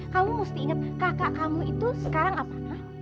kamu mesti ingat kakak kamu itu sekarang apalah